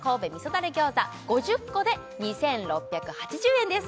だれ餃子５０個で２６８０円です